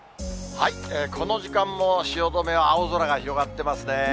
この時間も、汐留は青空が広がってますね。